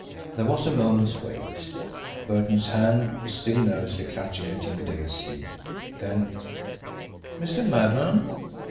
There was a moment's wait. Burton's hand was still nervously clutching at Jimmie Dale's sleeve. Then: "Mr. Maddon?"